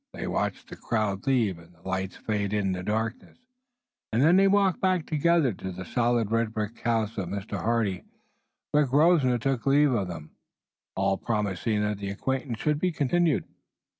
They watched the crowd leave and the lights fade in the darkness, and then they walked back together to the solid red brick house of Mr. Hardy, where Grosvenor took leave of them, all promising that the acquaintance should be continued.